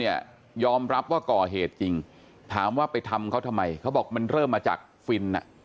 ยอมรับว่าก่อเหตุจริงถามว่าไปทำเขาทำไมเขาบอกมันเริ่มมาจากฟินอ่ะ